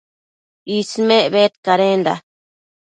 Ismec bedcadenda